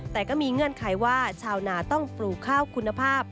แต่ก็มีเงื่อนไขว่าชาวนาต้องปลูกข้าวคุณภาพ